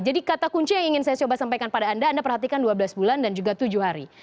jadi kata kunci yang ingin saya coba sampaikan pada anda anda perhatikan dua belas bulan dan juga tujuh hari